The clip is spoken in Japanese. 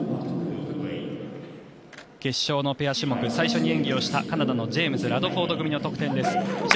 決勝のペア種目最初に演技をしたカナダのジェイムスラドフォード組の得点です。